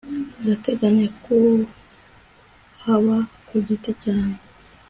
Ndateganya kuhaba ku giti cyanjye